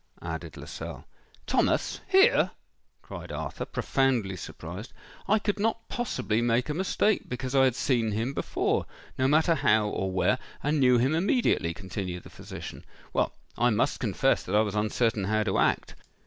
added Lascelles. "Thomas!—here!" cried Arthur, profoundly surprised. "I could not possibly make a mistake, because I had seen him before—no matter how or where—and knew him immediately," continued the physician. "Well, I must confess that I was uncertain how to act.